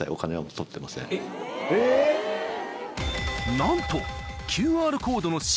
［なんと］